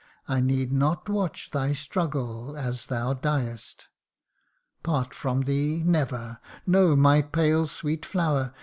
I need not watch thy struggles as thou diest. Part from thee ! never no, my pale sweet flower